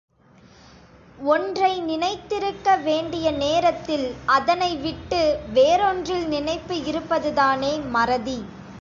ஒன்றை நினைத் திருக்க வேண்டிய நேரத்தில், அதனைவிட்டு, வேறொன்றில் நினைப்பு இருப்பது தானே மறதி!